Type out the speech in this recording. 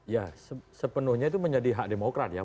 ya sepenuhnya itu menjadi hak demokrat ya